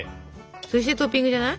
そしてトッピングじゃない？